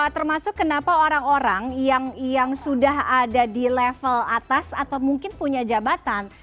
termasuk kenapa orang orang yang sudah ada di level atas atau mungkin punya jabatan